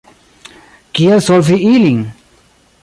Kiel solvi ilin?